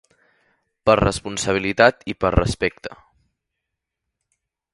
Per responsabilitat i per respecte.